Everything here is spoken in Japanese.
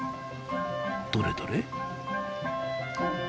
どれどれ。